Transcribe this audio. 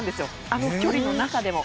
あの距離の中でも。